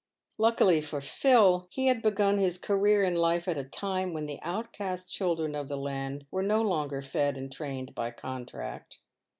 Luckily for PhD, he had begun his career in life at a time when the outcast children of the land were no longer fed and trained by con tract.